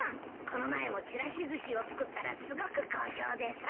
この前もちらしずしを作ったらすごく好評でさ。